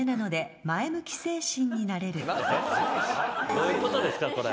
どういうことですかこれ？